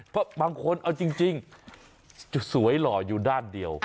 เพราะบางคนเอาจริงจะสวยหล่ออยู่ด้านเดียว